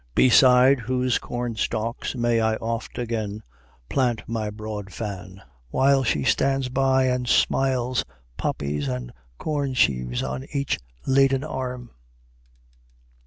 Beside whose corn stacks may I oft again Plant my broad fan: while she stands by and smiles, Poppies and corn sheaves on each laden arm."